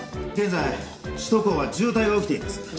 現在首都高は渋滞が起きています。